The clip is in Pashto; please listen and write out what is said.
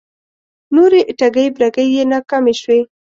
نورې ټگۍ برگۍ یې ناکامې شوې